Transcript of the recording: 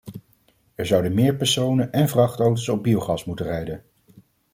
Er zouden meer personen- en vrachtauto's op biogas moeten rijden.